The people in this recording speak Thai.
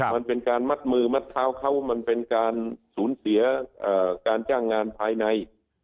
มันเป็นการมัดมือมัดเท้าเขามันเป็นการสูญเสียการจ้างงานภายใน